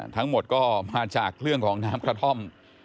ทั้งหมดก็มาจากเรื่องของน้ำกระท่อม